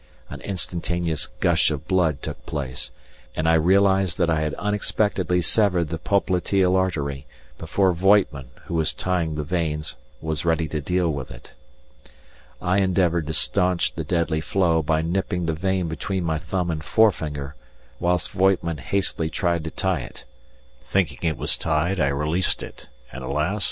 An instantaneous gush of blood took place, and I realized that I had unexpectedly severed the popliteal artery, before Voigtman, who was tying the veins, was ready to deal with it. I endeavoured to staunch the deadly flow by nipping the vein between my thumb and forefinger, whilst Voigtman hastily tried to tie it. Thinking it was tied, I released it, and alas!